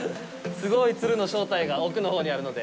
すごいつるの正体が奥のほうにあるので。